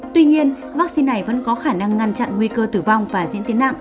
tuy nhiên vaccine này vẫn có khả năng ngăn chặn nguy cơ tử vong và diễn tiến nặng